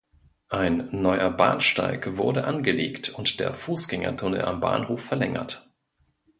Ein neuer Bahnsteig wurde angelegt und der Fußgängertunnel am Bahnhof verlängert.